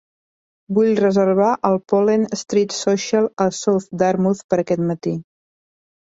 Vull reservar el Pollen Street Social a South Dartmouth per a aquest matí.